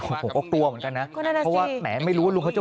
ผมก็กลัวเหมือนกันนะเพราะว่าแหมไม่รู้ว่าลุงเขาจะ